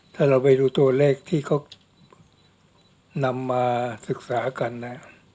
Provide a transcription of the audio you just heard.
ถ้าเราไปดูตัวเลขที่เขานำมาศึกษากันนะ